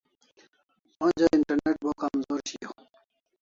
Onja internet bo kamzor shiau